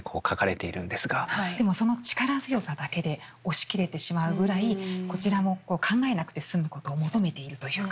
でもその力強さだけで押し切れてしまうぐらいこちらも考えなくて済むことを求めているというか。